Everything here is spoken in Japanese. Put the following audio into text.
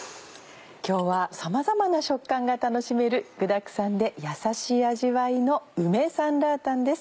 今日はさまざまな食感が楽しめる具だくさんでやさしい味わいの梅酸辣湯です。